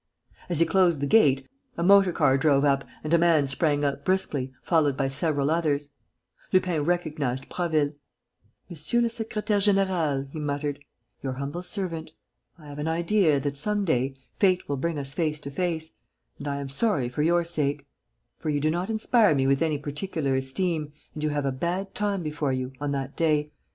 As he closed the gate, a motor car drove up and a man sprang out briskly, followed by several others. Lupin recognized Prasville: "Monsieur le secrétaire; général," he muttered, "your humble servant. I have an idea that, some day, fate will bring us face to face: and I am sorry, for your sake; for you do not inspire me with any particular esteem and you have a bad time before you, on that day.